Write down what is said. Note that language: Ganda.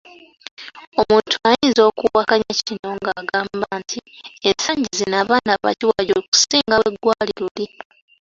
Omuntu ayinza okuwakanya kino ng’agamba nti ensangi zino abaana bakiwagi okusinga bwe gwali luli.